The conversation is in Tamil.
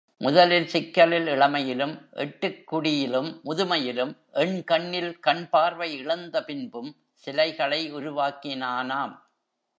முதலில் சிக்கலில் இளமையிலும், எட்டுக் குடியிலும் முதுமையிலும், எண்கண்ணில் கண்பார்வை இழந்த பின்பும் சிலைகளை உருவாக்கினானாம்.